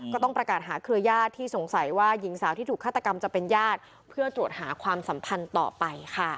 ก็ต้องประกาศหาเครือญาติที่สงสัยว่าหญิงสาวที่ถูกฆาตกรรมจะเป็นญาติเพื่อตรวจหาความสัมพันธ์ต่อไปค่ะ